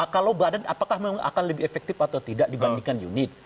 kalau badan apakah memang akan lebih efektif atau tidak dibandingkan unit